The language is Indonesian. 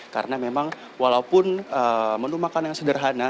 karena memang walaupun menu makan yang sederhana